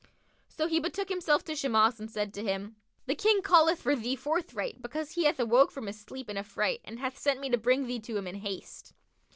So he betook himself to Shimas and said to him, "The King calleth for thee forthright because he hath awoke from his sleep in affright and hath sent me to bring thee to him in haste."